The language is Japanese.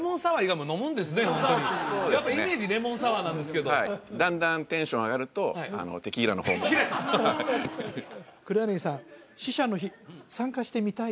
やっぱイメージレモンサワーなんですけどだんだんテンション上がると黒柳さん死者の日参加してみたい？